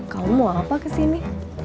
kamu mau apa kesini